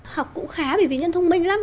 học cũng khá vì nhân thông minh lắm